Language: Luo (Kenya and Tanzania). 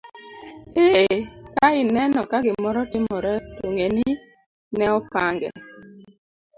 Ee, ka ineno ka gimoro timore to ng'e ni ne opange.